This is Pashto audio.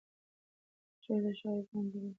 هر شعر د شاعر ځانګړی خوند لري.